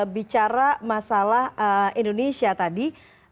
bicara masalah indonesia tadi